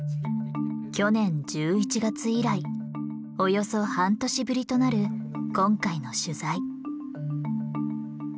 去年１１月以来およそ半年ぶりとなる今回の取材。